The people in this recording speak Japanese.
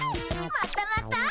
またまた。